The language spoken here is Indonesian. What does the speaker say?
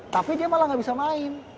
tapi dia malah gak bisa main